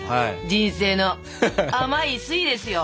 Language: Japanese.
人生の甘い酸いですよ！